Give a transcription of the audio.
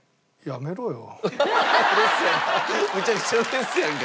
やめろよ。